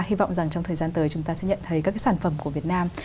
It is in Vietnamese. hy vọng rằng trong thời gian tới chúng ta sẽ nhận thấy các cái sản phẩm của việt nam